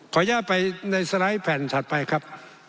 อนุญาตไปในสไลด์แผ่นถัดไปครับ